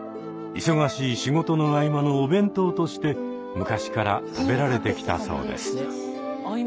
忙しい仕事の合間のお弁当として昔から食べられてきたそうです。